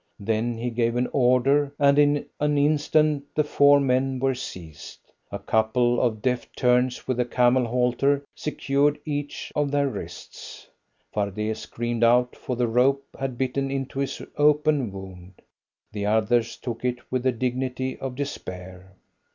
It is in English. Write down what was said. Then he gave an order, and in an instant the four men were seized. A couple of deft turns with a camel halter secured each of their wrists. Fardet screamed out, for the rope had bitten into his open wound. The others took it with the dignity of despair.